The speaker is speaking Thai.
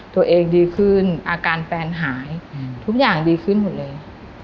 ตัวเองดีขึ้นอาการแฟนหายทุกอย่างดีขึ้นหมดเลย